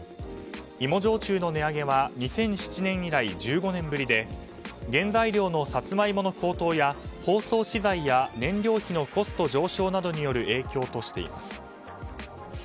芋焼酎の値上げは２００７年以来１５年ぶりで原材料のサツマイモの高騰や包装資材や燃料費のコスト上昇などによる影響としています。